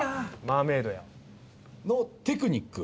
マーメイドや。のテクニック。。